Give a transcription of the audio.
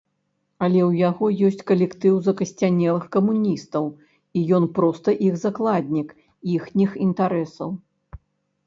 Але ў яго ёсць калектыў закасцянелых камуністаў, і ён проста іх закладнік, іхніх інтарэсаў.